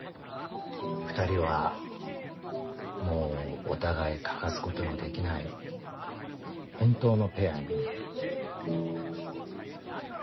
２人はもうお互い欠かすことのできない本当のペアに見える。